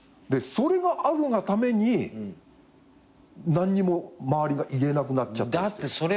それがあるがために何も周りが言えなくなっちゃったりしてる。